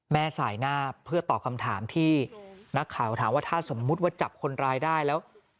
แม่สายหน้าเพื่อตอบคำถามที่นักข่าวถามว่าถ้าสมมุติว่าจับคนร้ายได้แล้ว